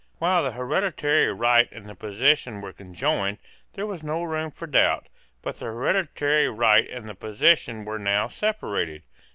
While the hereditary right and the possession were conjoined, there was no room for doubt: but the hereditary right and the possession were now separated.